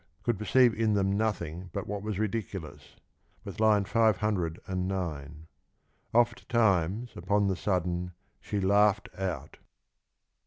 oould perceive in thorn nothing but what was ridiculous," with lino 509, " Oft times upon the sudden sh? laughed out."